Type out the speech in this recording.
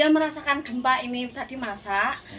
merasakan gempa ini tadi masak